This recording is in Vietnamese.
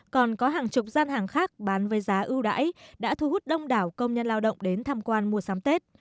còn có hàng chục gian hàng khác bán với giá ưu đãi đã thu hút đông đảo công nhân lao động đến tham quan mua sắm tết